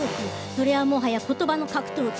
それは、もはや言葉の格闘技。